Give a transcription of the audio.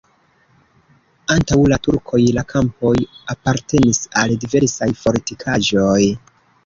Antaŭ la turkoj la kampoj apartenis al diversaj fortikaĵoj.